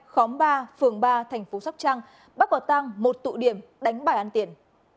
khóm ba phường ba thành phố sóc trăng bắt quả tăng một tụ điểm đánh bài ăn tiền